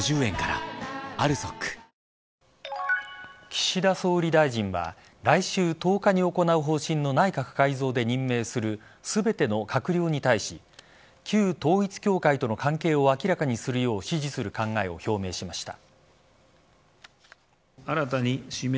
岸田総理大臣は来週１０日に行う方針の内閣改造で任命する全ての閣僚に対し旧統一教会との関係を明らかにするよう指示する考えを表明しました。